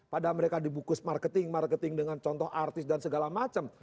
pada mereka dibungkus marketing marketing dengan contoh artis dan segala macam